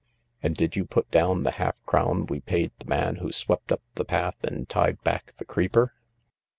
And did you put down the half crown we paid the man who swept up the path and tied back the creeper